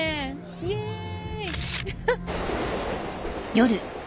イェーイ。